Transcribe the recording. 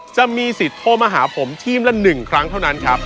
จะมีสิทธิ์โทรมาหาผมทีมละ๑ครั้งเท่านั้นครับ